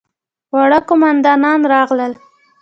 واړه قوماندان راغلل.